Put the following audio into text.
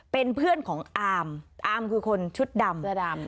เป็นเพื่อนของอาร์มอาร์มคือคนชุดดำเสื้อดำ